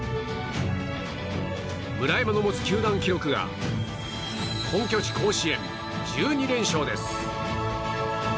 村山の持つ球団記録が本拠地・甲子園１２連勝です。